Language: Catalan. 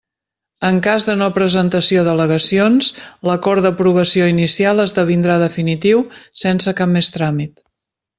En cas de no presentació d'al·legacions, l'acord d'aprovació inicial esdevindrà definitiu sense cap més tràmit.